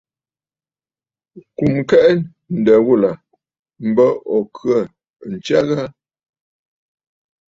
Kùm kɛʼɛ̂ ǹdə̀ ghulà m̀bə ò khə̂ ǹtsya ghâ?